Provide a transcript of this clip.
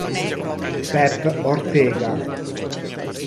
Pep Ortega